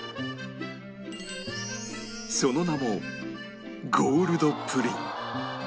その名もゴールドぷりん